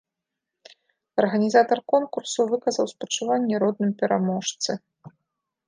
Арганізатар конкурсу выказаў спачуванні родным пераможцы.